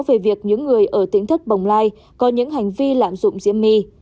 về việc những người ở tỉnh thất bồng lai có những hành vi lạm dụng diễm my